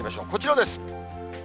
こちらです。